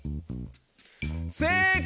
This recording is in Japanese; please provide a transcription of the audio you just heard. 正解！